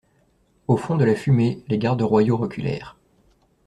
Au fond de la fumée, les gardes royaux reculèrent.